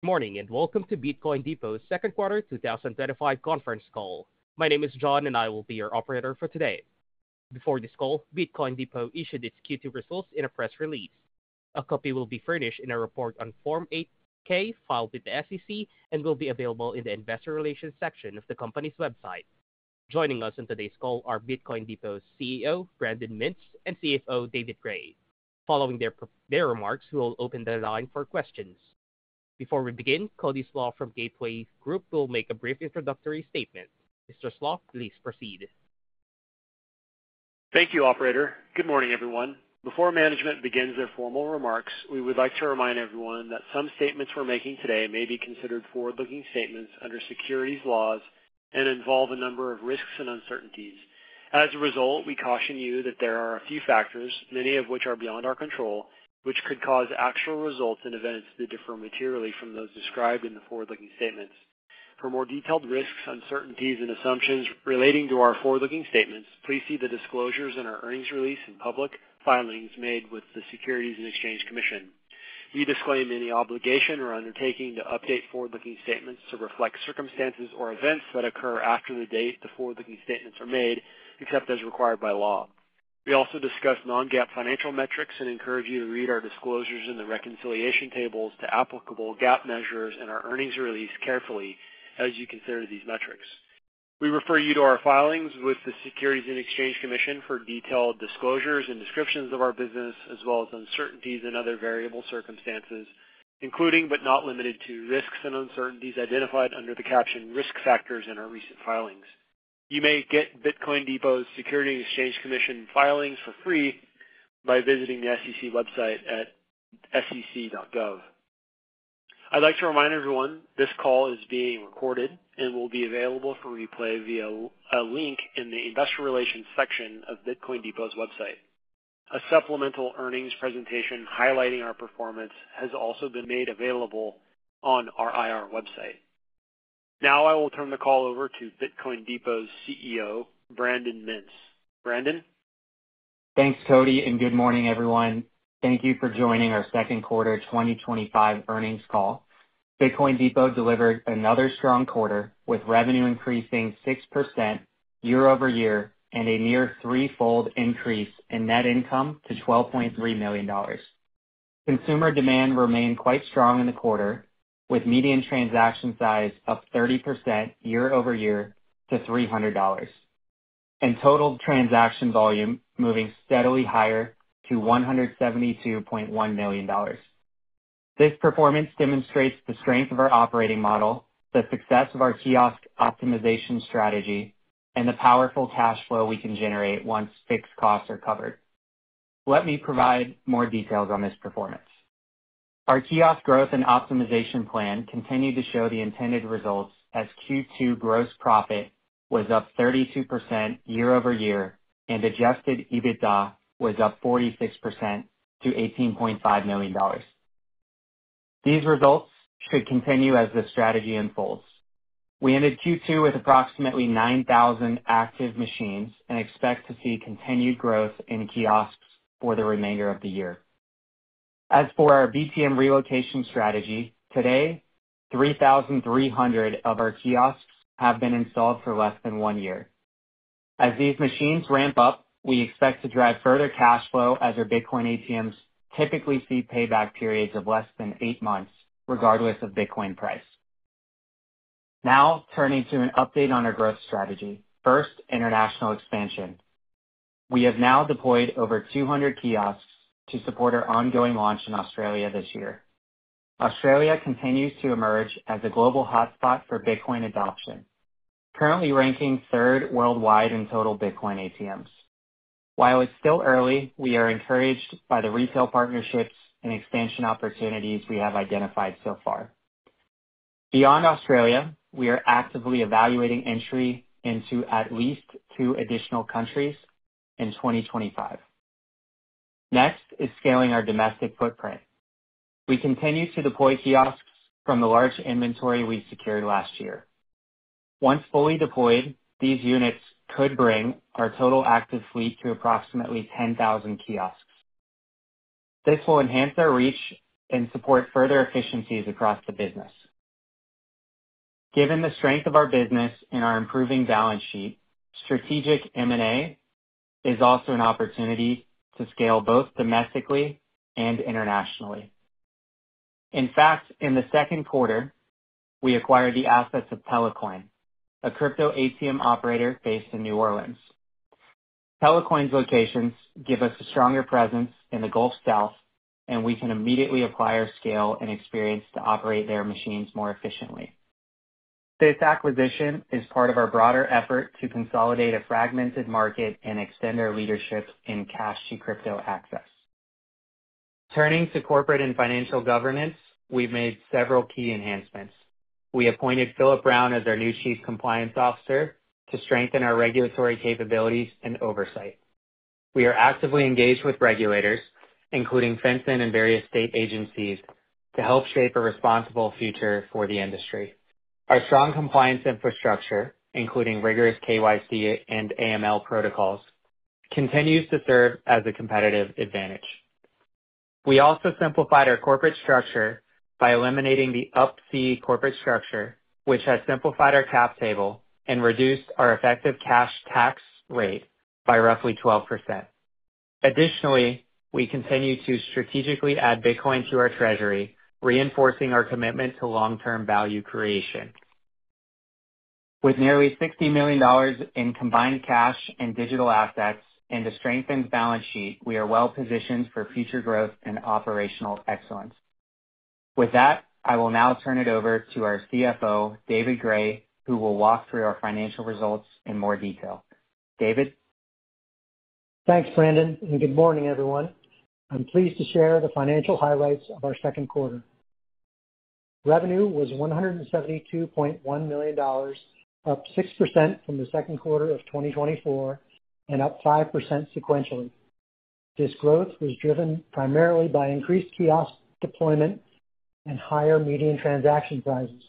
Morning and welcome to Bitcoin Depot's Second Quarter 2025 Conference Call. My name is John and I will be your operator for today. Before this call, Bitcoin Depot issued its Q2 results in a press release. A copy will be furnished in a report on Form 8-K filed with the SEC and will be available in the Investor Relations section of the company's website. Joining us on today's call are Bitcoin Depot's CEO, Brandon Mintz, and CFO, David Gray. Following their remarks, we will open the line for questions. Before we begin, Cody Slach from Gateway Group will make a brief introductory statement. Mr. Slach, please proceed. Thank you, Operator. Good morning, everyone. Before management begins their formal remarks, we would like to remind everyone that some statements we're making today may be considered forward-looking statements under securities laws and involve a number of risks and uncertainties. As a result, we caution you that there are a few factors, many of which are beyond our control, which could cause actual results and events to differ materially from those described in the forward-looking statements. For more detailed risks, uncertainties, and assumptions relating to our forward-looking statements, please see the disclosures in our earnings release and public filings made with the Securities and Exchange Commission. We disclaim any obligation or undertaking to update forward-looking statements to reflect circumstances or events that occur after the date the forward-looking statements are made, except as required by law. We also discuss non-GAAP financial metrics and encourage you to read our disclosures in the reconciliation tables to applicable GAAP measures in our earnings release carefully as you consider these metrics. We refer you to our filings with the Securities and Exchange Commission for detailed disclosures and descriptions of our business, as well as uncertainties and other variable circumstances, including but not limited to risks and uncertainties identified under the caption "risk factors" in our recent filings. You may get Bitcoin Depot's Securities and Exchange Commission filings for free by visiting the SEC website at sec.gov. I'd like to remind everyone this call is being recorded and will be available for replay via a link in the Investor Relations section of Bitcoin Depot's website. A supplemental earnings presentation highlighting our performance has also been made available on our IR website. Now I will turn the call over to Bitcoin Depot's CEO, Brandon Mintz. Brandon? Thanks, Cody, and good morning, everyone. Thank you for joining our Second Quarter 2025 Earnings Call. Bitcoin Depot delivered another strong quarter with revenue increasing 6% year-over-year and a near three-fold increase in net income to $12.3 million. Consumer demand remained quite strong in the quarter, with median transaction size up 30% year-over-year to $300 and total transaction volume moving steadily higher to $172.1 million. This performance demonstrates the strength of our operating model, the success of our kiosk optimization strategy, and the powerful cash flow we can generate once fixed costs are covered. Let me provide more details on this performance. Our kiosk growth and optimization plan continued to show the intended results as Q2 gross profit was up 32% year-over-year, and adjusted EBITDA was up 46% to $18.5 million. These results could continue as the strategy unfolds. We ended Q2 with approximately 9,000 active machines and expect to see continued growth in kiosks for the remainder of the year. As for our BTM relocation strategy, today, 3,300 of our kiosks have been installed for less than one year. As these machines ramp up, we expect to drive further cash flow as our Bitcoin ATMs typically see payback periods of less than eight months, regardless of Bitcoin price. Now turning to an update on our growth strategy. First, international expansion. We have now deployed over 200 kiosks to support our ongoing launch in Australia this year. Australia continues to emerge as a global hotspot for Bitcoin adoption, currently ranking third worldwide in total Bitcoin ATMs. While it's still early, we are encouraged by the retail partnerships and expansion opportunities we have identified so far. Beyond Australia, we are actively evaluating entry into at least two additional countries in 2025. Next is scaling our domestic footprint. We continue to deploy kiosks from the large inventory we secured last year. Once fully deployed, these units could bring our total active fleet to approximately 10,000 kiosks. This will enhance our reach and support further efficiencies across the business. Given the strength of our business and our improving balance sheet, strategic M&A is also an opportunity to scale both domestically and internationally. In fact, in the second quarter, we acquired the assets of Tele Coin, a crypto ATM operator based in New Orleans. Tele Coin's locations give us a stronger presence in the Gulf South, and we can immediately apply our scale and experience to operate their machines more efficiently. This acquisition is part of our broader effort to consolidate a fragmented market and extend our leadership in cash-to-crypto access. Turning to corporate and financial governance, we've made several key enhancements. We appointed Philip Brown as our new Chief Compliance Officer to strengthen our regulatory capabilities and oversight. We are actively engaged with regulators, including FinCEN and various state agencies, to help shape a responsible future for the industry. Our strong compliance infrastructure, including rigorous KYC and AML protocols, continues to serve as a competitive advantage. We also simplified our corporate structure by eliminating the UPC structure, which has simplified our cap table and reduced our effective cash tax rate by roughly 12%. Additionally, we continue to strategically add Bitcoin to our treasury, reinforcing our commitment to long-term value creation. With nearly $60 million in combined cash and digital assets and a strengthened balance sheet, we are well positioned for future growth and operational excellence. With that, I will now turn it over to our CFO, David Gray, who will walk through our financial results in more detail. David? Thanks, Brandon, and good morning, everyone. I'm pleased to share the financial highlights of our second quarter. Revenue was $172.1 million, up 6% from the second quarter of 2024 and up 5% sequentially. This growth was driven primarily by increased kiosk deployment and higher median transaction prices,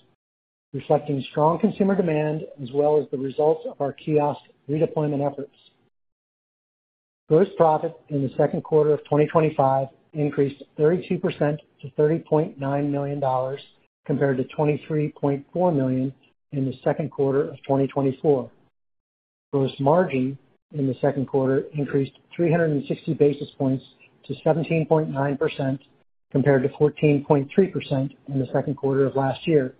reflecting strong consumer demand as well as the results of our kiosk redeployment efforts. Gross profit in the second quarter of 2025 increased 32% to $30.9 million compared to $23.4 million in the second quarter of 2024. Gross margin in the second quarter increased 360 basis points to 17.9% compared to 14.3% in the second quarter of last year.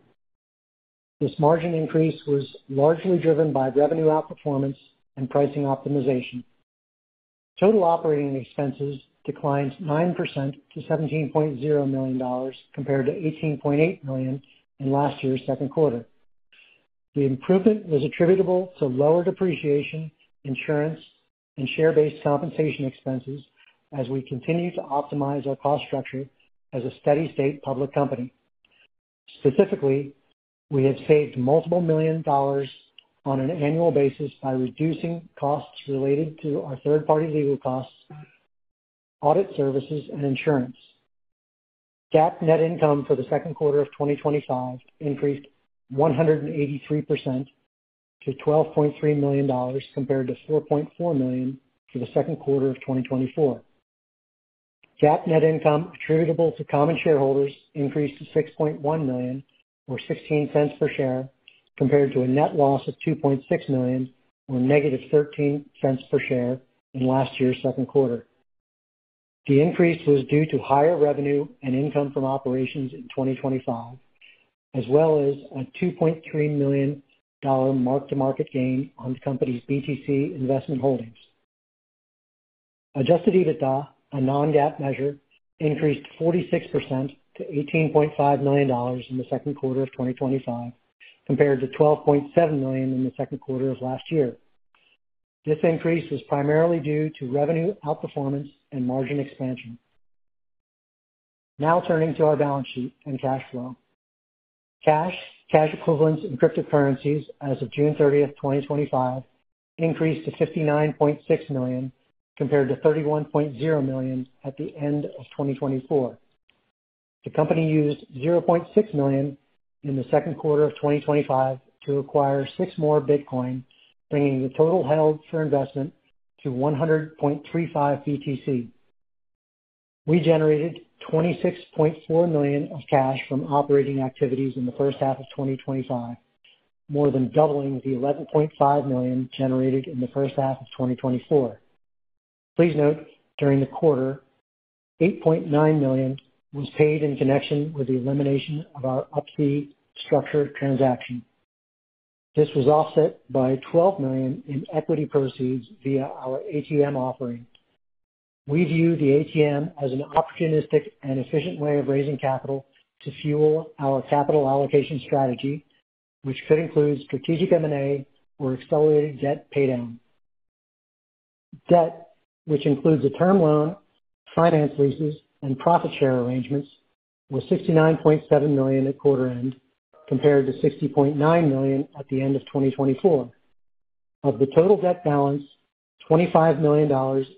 This margin increase was largely driven by revenue outperformance and pricing optimization. Total operating expenses declined 9% to $17.0 million compared to $18.8 million in last year's second quarter. The improvement was attributable to lower depreciation, insurance, and share-based compensation expenses as we continue to optimize our cost structure as a steady-state public company. Specifically, we have saved multiple million dollars on an annual basis by reducing costs related to our third-party legal costs, audit services, and insurance. GAAP net income for the second quarter of 2025 increased 183% to $12.3 million compared to $4.4 million for the second quarter of 2024. GAAP net income attributable to common shareholders increased to $6.1 million, or $0.16 per share, compared to a net loss of $2.6 million, or -$0.13 per share in last year's second quarter. The increase was due to higher revenue and income from operations in 2025, as well as a $2.3 million mark-to-market gain on the company's BTC investment holdings. Adjusted EBITDA, a non-GAAP measure, increased 46% to $18.5 million in the second quarter of 2025 compared to $12.7 million in the second quarter of last year. This increase was primarily due to revenue outperformance and margin expansion. Now turning to our balance sheet and cash flow. Cash, cash equivalents, and cryptocurrencies as of June 30, 2025, increased to $59.6 million compared to $31.0 million at the end of 2024. The company used $0.6 million in the second quarter of 2025 to acquire six more Bitcoin, bringing the total held for investment to 100.35 BTC. We generated $26.4 million of cash from operating activities in the first half of 2025, more than doubling the $11.5 million generated in the first half of 2024. Please note, during the quarter, $8.9 million was paid in connection with the elimination of our UPC structure transaction. This was offset by $12 million in equity proceeds via our ATM equity offering. We view the ATM as an opportunistic and efficient way of raising capital to fuel our capital allocation strategy, which could include strategic M&A or accelerated debt paydown. Debt, which includes a term loan, finance leases, and profit share arrangements, was $69.7 million at quarter end compared to $60.9 million at the end of 2024. Of the total debt balance, $25 million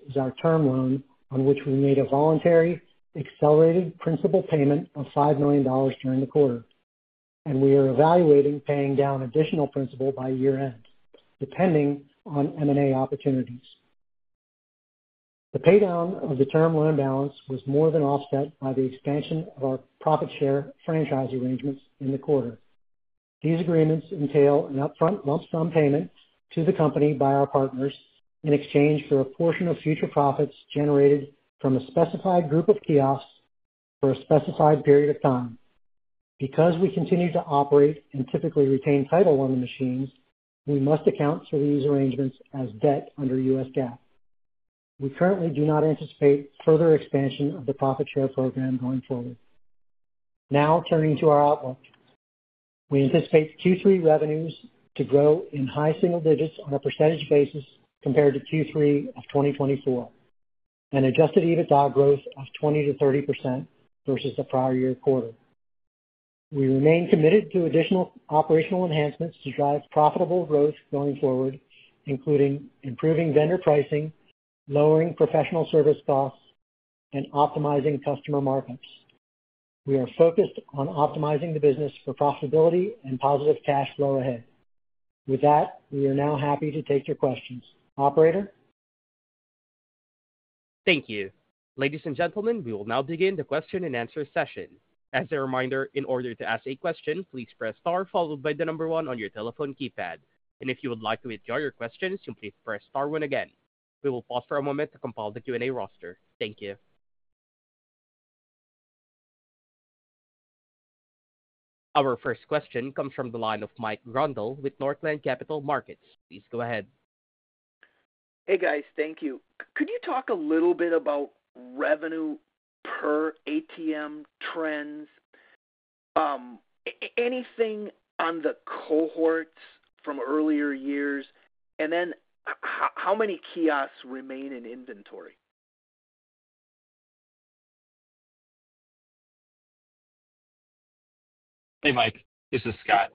is our term loan on which we made a voluntary accelerated principal payment of $5 million during the quarter, and we are evaluating paying down additional principal by year end, depending on M&A opportunities. The paydown of the term loan balance was more than offset by the expansion of our profit share franchise arrangements in the quarter. These agreements entail an upfront lump sum payment to the company by our partners in exchange for a portion of future profits generated from a specified group of kiosks for a specified period of time. Because we continue to operate and typically retain title on the machines, we must account for these arrangements as debt under U.S. GAAP. We currently do not anticipate further expansion of the profit share program going forward. Now turning to our outlook, we anticipate Q3 revenues to grow in high single digits on a percentage basis compared to Q3 of 2024, an adjusted EBITDA growth of 20%-30% versus the prior year quarter. We remain committed to additional operational enhancements to drive profitable growth going forward, including improving vendor pricing, lowering professional service costs, and optimizing customer markups. We are focused on optimizing the business for profitability and positive cash flow ahead. With that, we are now happy to take your questions. Operator? Thank you. Ladies and gentlemen, we will now begin the question and answer session. As a reminder, in order to ask a question, please press star followed by the number one on your telephone keypad. If you would like to withdraw your questions, simply press star one again. We will pause for a moment to compile the Q&A roster. Thank you. Our first question comes from the line of Mike Grondahl with Northland Capital Markets. Please go ahead. Hey, guys, thank you. Could you talk a little bit about revenue per ATM trends? Anything on the cohorts from earlier years, and then how many kiosks remain in inventory? Hey, Mike. This is Scott.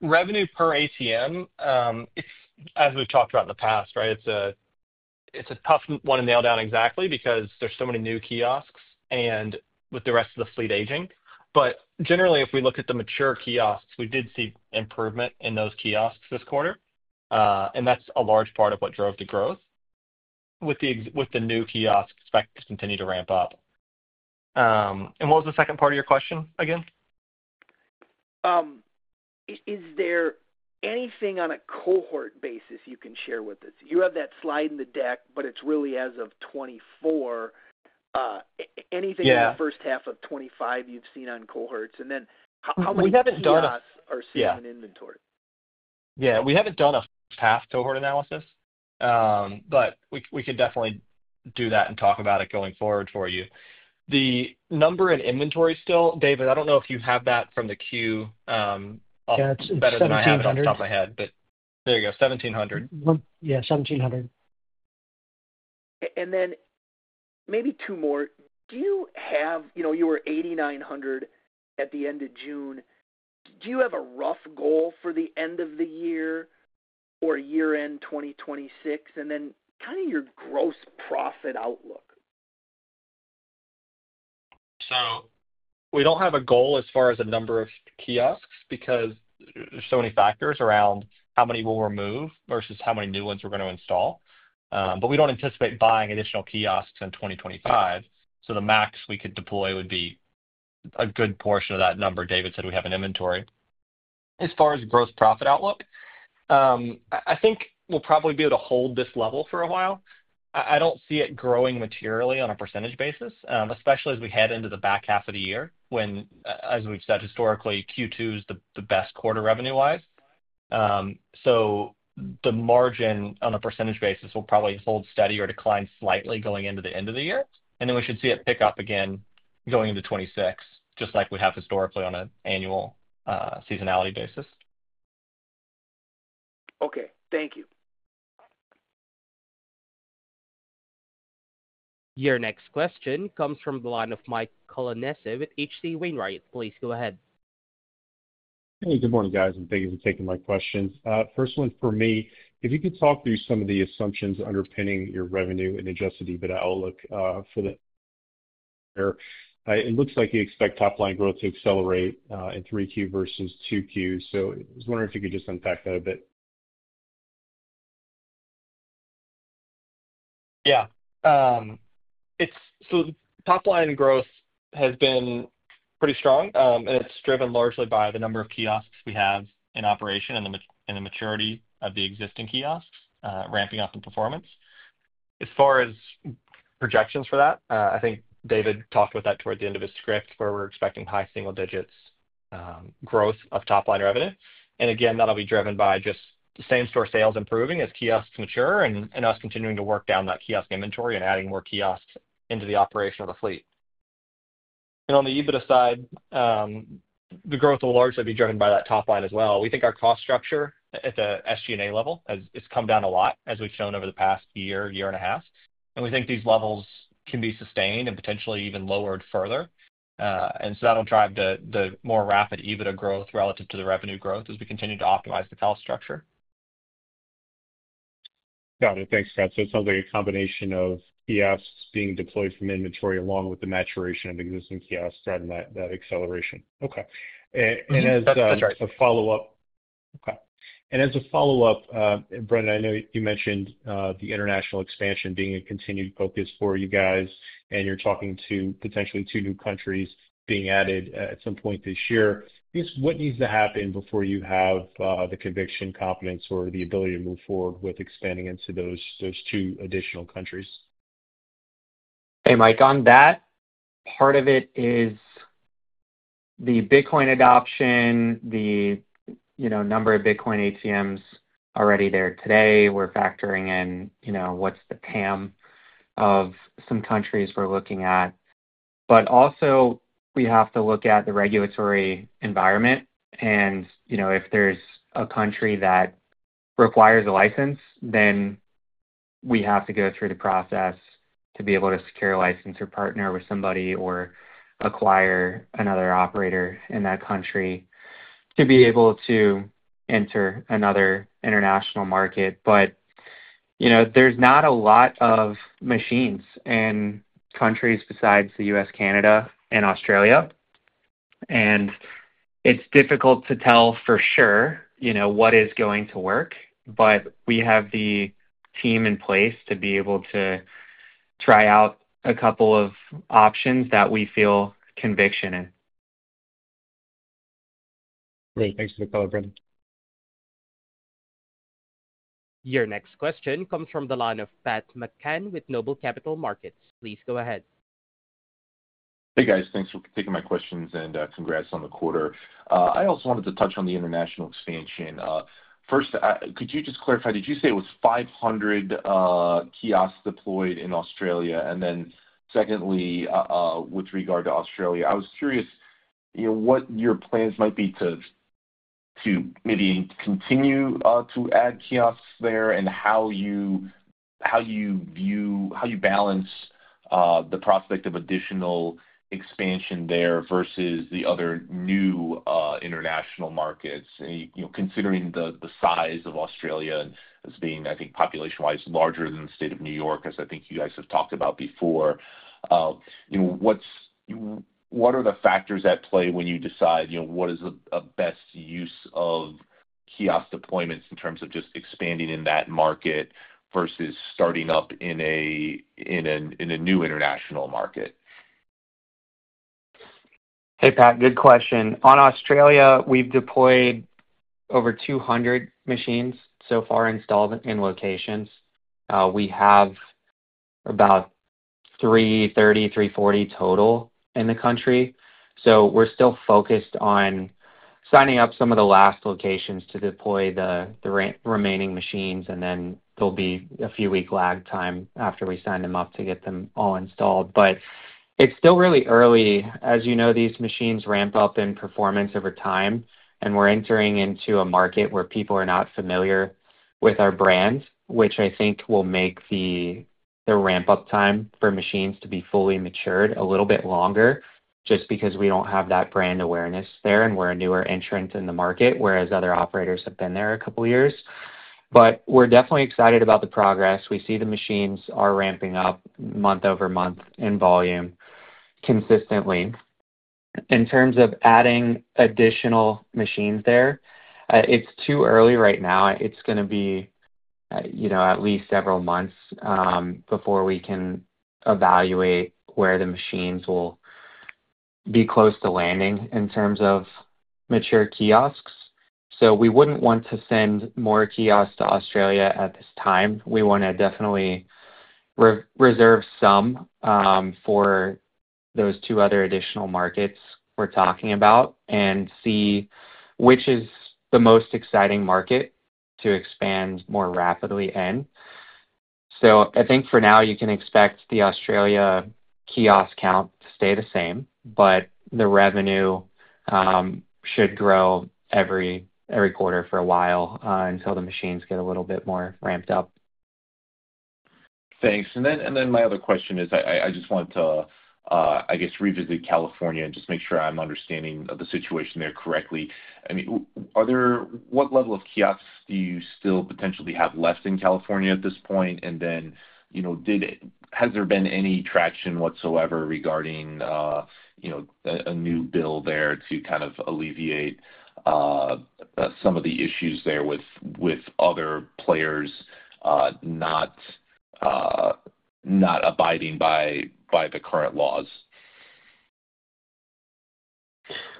Revenue per ATM, as we've talked about in the past, it's a tough one to nail down exactly because there's so many new kiosks and with the rest of the fleet aging. Generally, if we look at the mature kiosks, we did see improvement in those kiosks this quarter. That's a large part of what drove the growth, with the new kiosks expected to continue to ramp up. What was the second part of your question again? Is there anything on a cohort basis you can share with us? You have that slide in the deck, but it's really as of 2024. Anything in the first half of 2025 you've seen on cohorts? How many kiosks are still in inventory? We haven't done a path cohort analysis, but we could definitely do that and talk about it going forward for you. The number in inventory still, David, I don't know if you have that from the queue better than I have it off the top of my head, but there you go, 1,700. Yeah, 1,700. Maybe two more. Do you have, you know, you were 8,900 at the end of June. Do you have a rough goal for the end of the year or year-end 2026? Kind of your gross profit outlook? We don't have a goal as far as the number of kiosks because there are so many factors around how many we'll remove versus how many new ones we're going to install. We don't anticipate buying additional kiosks in 2025. The max we could deploy would be a good portion of that number David said we have in inventory. As far as gross profit outlook, I think we'll probably be able to hold this level for a while. I don't see it growing materially on a percentage basis, especially as we head into the back half of the year when, as we've said historically, Q2 is the best quarter revenue-wise. The margin on a percentage basis will probably hold steady or decline slightly going into the end of the year. We should see it pick up again going into 2026, just like we have historically on an annual seasonality basis. Okay, thank you. Your next question comes from the line of Mike Colonnese at H.C. Wainwright. Please go ahead. Hey, good morning, guys, and thank you for taking my questions. First one's for me. If you could talk through some of the assumptions underpinning your revenue and adjusted EBITDA outlook for the year, it looks like you expect top line growth to accelerate in 3Q versus 2Q. I was wondering if you could just unpack that a bit. Yeah. The top line growth has been pretty strong, and it's driven largely by the number of kiosks we have in operation and the maturity of the existing kiosks ramping up in performance. As far as projections for that, I think David talked about that toward the end of his script where we're expecting high single digits growth of top line revenue. That'll be driven by just the same store sales improving as kiosks mature and us continuing to work down that kiosk inventory and adding more kiosks into the operation of the fleet. On the EBITDA side, the growth will largely be driven by that top line as well. We think our cost structure at the SG&A level has come down a lot, as we've shown over the past year, year and a half. We think these levels can be sustained and potentially even lowered further. That'll drive the more rapid EBITDA growth relative to the revenue growth as we continue to optimize the cost structure. Got it. Thanks, Scott. It sounds like a combination of kiosks being deployed from inventory along with the maturation of existing kiosks and that acceleration. As a follow-up, Brandon, I know you mentioned the international expansion being a continued focus for you guys, and you're talking to potentially two new countries being added at some point this year. What needs to happen before you have the conviction, confidence, or the ability to move forward with expanding into those two additional countries? Hey, Mike, on that part of it is the Bitcoin adoption, the number of Bitcoin ATMs already there today. We're factoring in what's the PAM of some countries we're looking at. We also have to look at the regulatory environment. If there's a country that requires a license, then we have to go through the process to be able to secure a license or partner with somebody or acquire another operator in that country to be able to enter another international market. There's not a lot of machines in countries besides the U.S., Canada, and Australia. It's difficult to tell for sure what is going to work. We have the team in place to be able to try out a couple of options that we feel conviction in. Great. Thanks for the call, Brandon. Your next question comes from the line of Pat McCann with NOBLE Capital Markets. Please go ahead. Hey, guys, thanks for taking my questions and congrats on the quarter. I also wanted to touch on the international expansion. First, could you just clarify, did you say it was 500 kiosks deployed in Australia? Secondly, with regard to Australia, I was curious what your plans might be to maybe continue to add kiosks there and how you view, how you balance the prospect of additional expansion there versus the other new international markets. Considering the size of Australia as being, I think, population-wise larger than the state of New York, as I think you guys have talked about before, what are the factors at play when you decide what is a best use of kiosk deployments in terms of just expanding in that market versus starting up in a new international market? Hey, Pat, good question. On Australia, we've deployed over 200 machines so far installed in locations. We have about 330, 340 total in the country. We're still focused on signing up some of the last locations to deploy the remaining machines, and then there will be a few weeks lag time after we sign them up to get them all installed. It's still really early. As you know, these machines ramp up in performance over time, and we're entering into a market where people are not familiar with our brand, which I think will make the ramp-up time for machines to be fully matured a little bit longer just because we don't have that brand awareness there and we're a newer entrant in the market, whereas other operators have been there a couple of years. We're definitely excited about the progress. We see the machines are ramping up month over month in volume consistently. In terms of adding additional machines there, it's too early right now. It's going to be at least several months before we can evaluate where the machines will be close to landing in terms of mature kiosks. We wouldn't want to send more kiosks to Australia at this time. We want to definitely reserve some for those two other additional markets we're talking about and see which is the most exciting market to expand more rapidly in. I think for now you can expect the Australia kiosk count to stay the same, but the revenue should grow every quarter for a while until the machines get a little bit more ramped up. Thanks. My other question is, I just want to revisit California and just make sure I'm understanding the situation there correctly. I mean, what level of kiosks do you still potentially have left in California at this point? Has there been any traction whatsoever regarding a new bill there to kind of alleviate some of the issues there with other players not abiding by the current laws?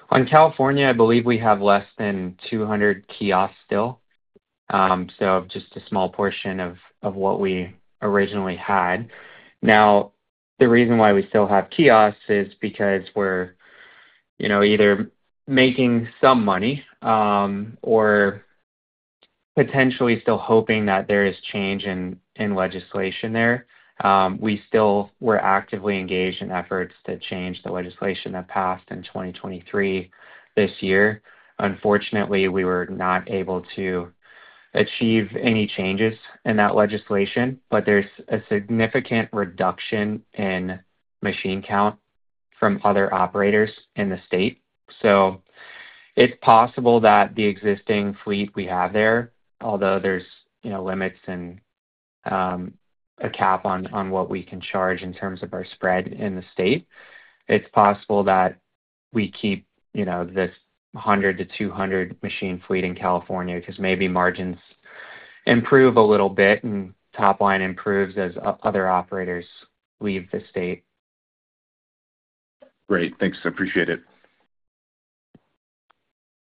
On California, I believe we have less than 200 kiosks still, so just a small portion of what we originally had. The reason why we still have kiosks is because we're either making some money or potentially still hoping that there is change in legislation there. We still are actively engaged in efforts to change the legislation that passed in 2023. Unfortunately, we were not able to achieve any changes in that legislation, but there's a significant reduction in machine count from other operators in the state. It is possible that the existing fleet we have there, although there are limits and a cap on what we can charge in terms of our spread in the state, we keep this 100-200 machine fleet in California because maybe margins improve a little bit and top line improves as other operators leave the state. Great. Thanks. I appreciate it.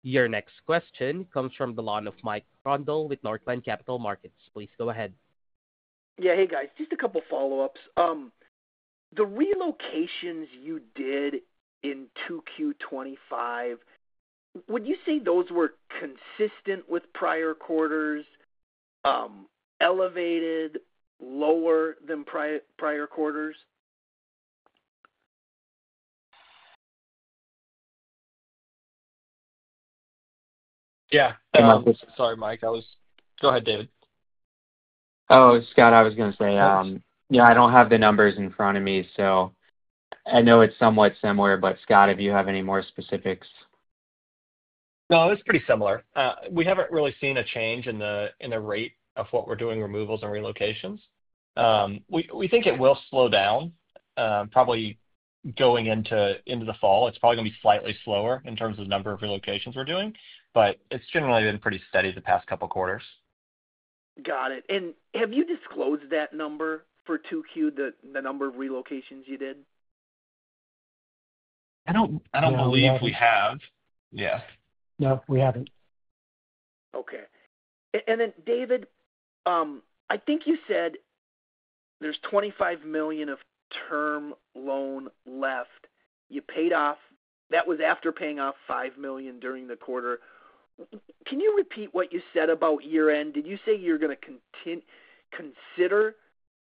Your next question comes from the line of Mike Grondahl with Northland Capital Markets. Please go ahead. Yeah, hey guys, just a couple follow-ups. The relocations you did in 2Q of 2025, would you say those were consistent with prior quarters, elevated, lower than prior quarters? I'm sorry, Mike, go ahead, David. Oh, Scott, I was going to say, yeah, I don't have the numbers in front of me. I know it's somewhat similar, but Scott, if you have any more specifics. No, it's pretty similar. We haven't really seen a change in the rate of what we're doing removals and relocations. We think it will slow down, probably going into the fall. It's probably going to be slightly slower in terms of the number of relocations we're doing, but it's generally been pretty steady the past couple of quarters. Got it. Have you disclosed that number for 2Q, the number of relocations you did? I don't believe we have. Yeah. No, we haven't. Okay. David, I think you said there's $25 million of term loan left you paid off. That was after paying off $5 million during the quarter. Can you repeat what you said about year-end? Did you say you're going to consider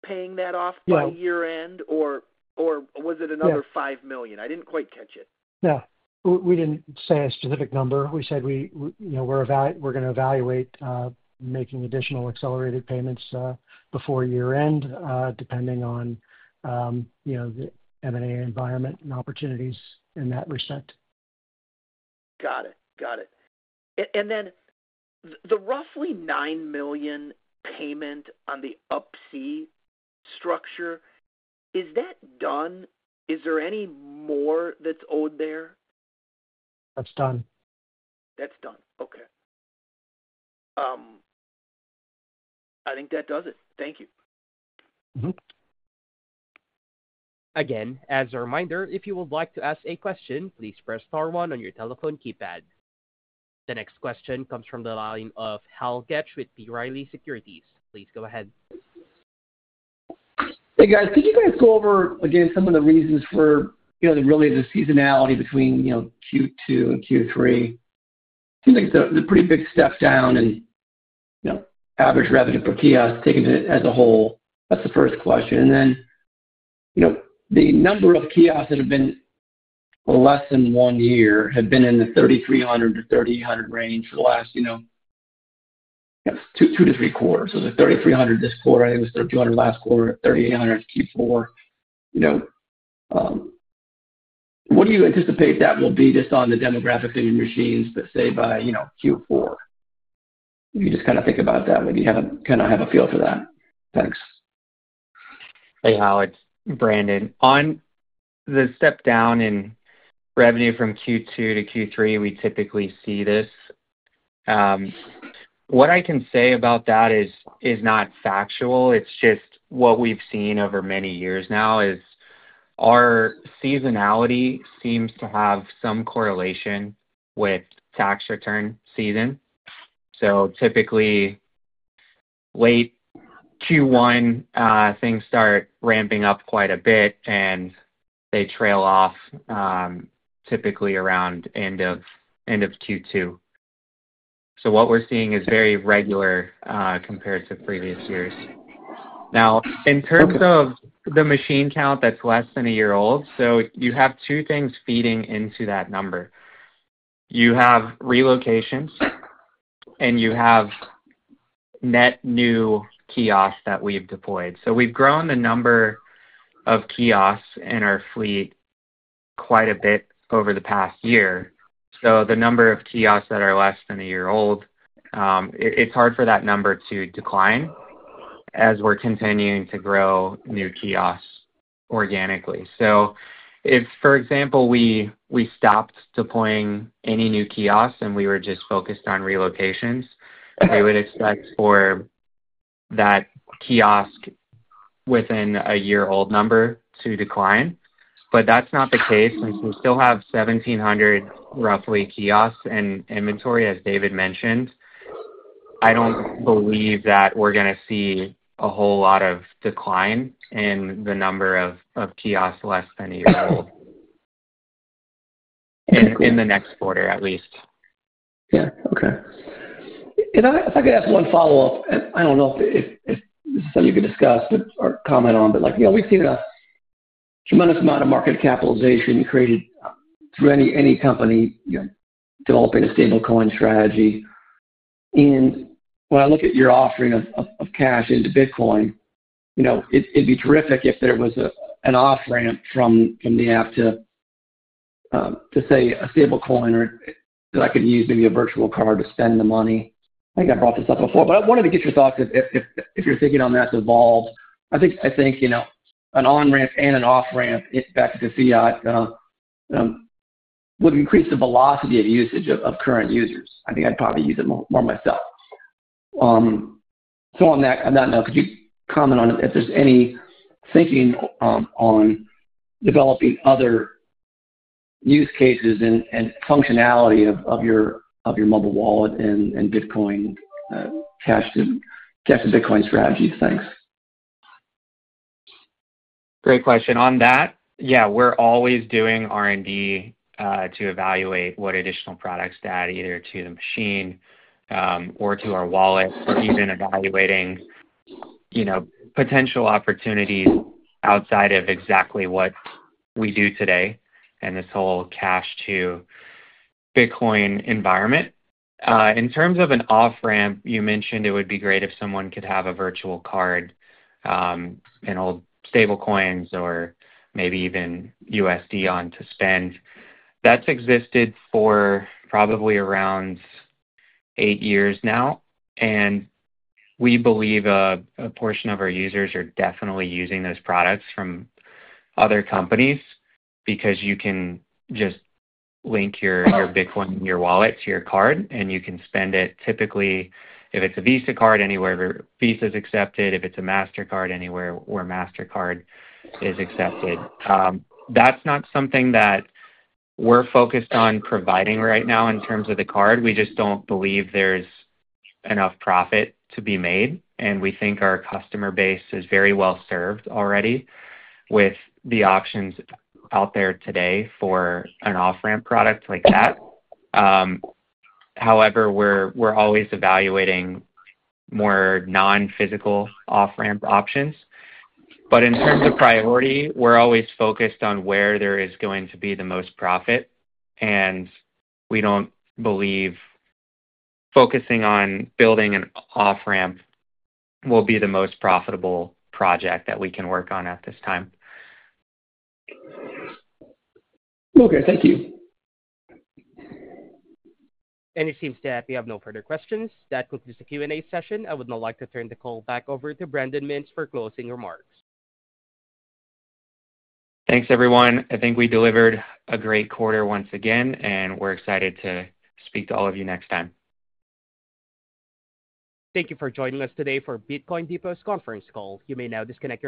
paying that off by year-end, or was it another $5 million? I didn't quite catch it. Yeah, we didn't say a specific number. We said we, you know, we're going to evaluate making additional accelerated payments before year-end, depending on the M&A environment and opportunities in that respect. Got it. Got it. The roughly $9 million payment on the Up-C structure, is that done? Is there any more that's owed there? That's done. That's done. Okay, I think that does it. Thank you. Again, as a reminder, if you would like to ask a question, please press star one on your telephone keypad. The next question comes from the line of Harold Goetsch with B. Riley Securities. Please go ahead. Hey guys, could you guys go over again some of the reasons for, you know, really the seasonality between Q2 and Q3? It seems like it's a pretty big step down in average revenue per kiosk taken as a whole. That's the first question. The number of kiosks that have been less than one year have been in the $3,300 to $3,800 range for the last, you know, two to three quarters. So the $3,300 this quarter, I think it was $3,200 last quarter, $3,800 Q4. What do you anticipate that will be just on the demographic that you're seeing, but say by, you know, Q4? You just kind of think about that. Maybe you kind of have a feel for that. Thanks. Hey, Hal, it's Brandon. On the step down in revenue from Q2 to Q3, we typically see this. What I can say about that is not factual. It's just what we've seen over many years now is our seasonality seems to have some correlation with tax return season. Typically, late Q1, things start ramping up quite a bit and they trail off typically around the end of Q2. What we're seeing is very regular compared to previous years. In terms of the machine count that's less than a year old, you have two things feeding into that number. You have relocations and you have net new kiosks that we've deployed. We've grown the number of kiosks in our fleet quite a bit over the past year. The number of kiosks that are less than a year old, it's hard for that number to decline as we're continuing to grow new kiosks organically. For example, if we stopped deploying any new kiosks and we were just focused on relocations, we would expect for that kiosk within a year-old number to decline. That's not the case since we still have 1,700 roughly kiosks in inventory, as David mentioned. I don't believe that we're going to see a whole lot of decline in the number of kiosks less than a year old in the next quarter, at least. Okay. If I could ask one follow-up, I don't know if this is something you could discuss or comment on, but we've seen a tremendous amount of market capitalization created through any company developing a stablecoin strategy. When I look at your offering of cash into Bitcoin, it'd be terrific if there was an off-ramp from the app to, say, a stablecoin or that I could use maybe a virtual card to spend the money. I think I brought this up before, but I wanted to get your thoughts if you're thinking on that to evolve. I think an on-ramp and an off-ramp, if that's the fiat, would increase the velocity of usage of current users. I think I'd probably use it more myself. On that note, could you comment on if there's any thinking on developing other use cases and functionality of your mobile wallet and cash to Bitcoin strategies? Thanks. Great question. On that, yeah, we're always doing R&D to evaluate what additional products to add either to the machine or to our wallet for even evaluating, you know, potential opportunities outside of exactly what we do today and this whole cash-to-Bitcoin environment. In terms of an off-ramp, you mentioned it would be great if someone could have a virtual card and hold stablecoins or maybe even USD on to spend. That's existed for probably around eight years now. We believe a portion of our users are definitely using those products from other companies because you can just link your Bitcoin in your wallet to your card and you can spend it typically if it's a Visa card anywhere where Visa is accepted, if it's a MasterCard anywhere where MasterCard is accepted. That's not something that we're focused on providing right now in terms of the card. We just don't believe there's enough profit to be made. We think our customer base is very well served already with the options out there today for an off-ramp product like that. However, we're always evaluating more non-physical off-ramp options. In terms of priority, we're always focused on where there is going to be the most profit. We don't believe focusing on building an off-ramp will be the most profitable project that we can work on at this time. Okay, thank you. If you have no further questions, that concludes the Q&A session. I would now like to turn the call back over to Brandon Mintz for closing remarks. Thanks, everyone. I think we delivered a great quarter once again, and we're excited to speak to all of you next time. Thank you for joining us today for Bitcoin Depot's conference call. You may now disconnect.